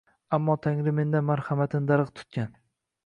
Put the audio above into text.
Ammo Tangri mendan marhamatini darig` tutgan